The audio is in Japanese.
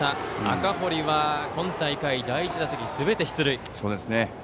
赤堀は、今大会第１打席すべて出塁。